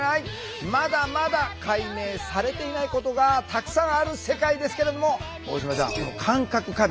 まだまだ解明されていないことがたくさんある世界ですけれども大島ちゃん